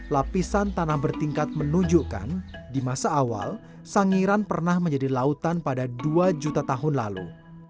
lapisan tanah bertingkat menunjukkan di masa awal sangiran pernah menjadi lautan pada dua juta tahun lalu